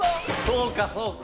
そうかそうか。